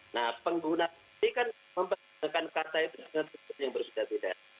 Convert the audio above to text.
nah pengguna ini kan memperkenalkan kata yang berbeda beda